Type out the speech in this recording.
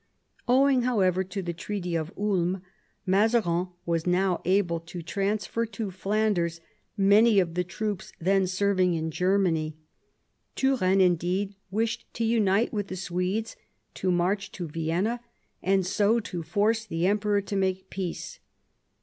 Owing, however, to the Treaty of Ulm, Mazarin was now able to transfer to Flanders many of the troops then serving in Germany. Turenne, indeed, wished to unite with the Swedes, to march to Vienna, and so to force the Emperor to make peace.